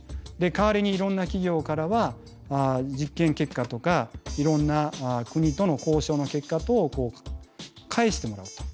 代わりにいろんな企業からは実験結果とかいろんな国との交渉の結果等を返してもらうと。